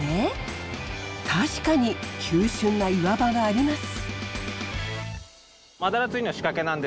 確かに急峻な岩場があります。